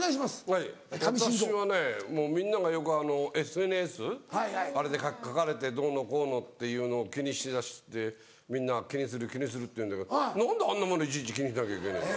はい私はねもうみんながよくあのＳＮＳあれで書かれてどうのこうのっていうのを気にし出してみんなは気にする気にするって言うんだけど何であんなものいちいち気にしなきゃいけねえんだ？